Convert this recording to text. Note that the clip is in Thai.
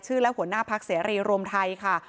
ชื่อแล้วหัวหน้าภักษ์เสียรีรวมไทยค่ะ